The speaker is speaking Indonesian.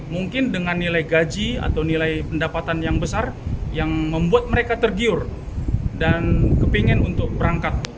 mungkin dengan nilai gaji atau nilai pendapatan yang besar yang membuat mereka tergiur dan kepingin untuk berangkat